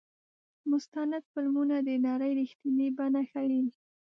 مستند فلمونه د نړۍ رښتینې بڼه ښيي.